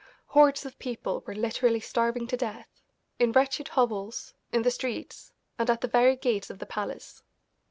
Hordes of people were literally starving to death, in wretched hovels, in the streets, and at the very gates of the palace.